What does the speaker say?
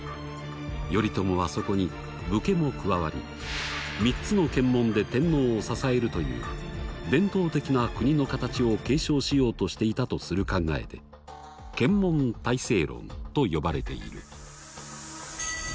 頼朝はそこに「武家」も加わり３つの「権門」で天皇を支えるという伝統的な国のかたちを継承しようとしていたとする考えで「権門体制論」と呼ばれている。